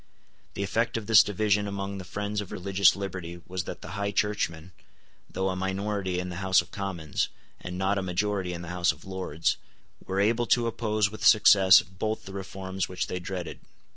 The effect of this division among the friends of religious liberty was that the High Churchmen, though a minority in the House of Commons, and not a majority in the House of Lords, were able to oppose with success both the reforms which they dreaded.